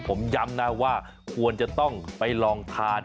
ผมย้ำนะว่าควรจะต้องไปลองทาน